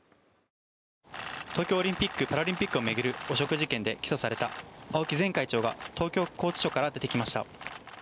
東京オリンピック・パラリンピックを巡る汚職事件で起訴された青木前会長が東京拘置所から出てきました。